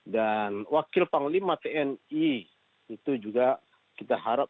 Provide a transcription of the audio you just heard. dan wakil panglima tni itu juga kita harap